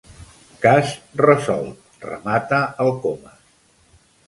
Cas resolt —remata el Comas—.